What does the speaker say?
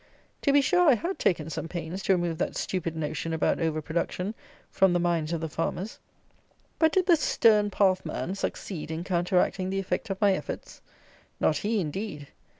To be sure I had taken some pains to remove that stupid notion about over production, from the minds of the farmers; but did the stern path man succeed in counteracting the effect of my efforts? Not he, indeed.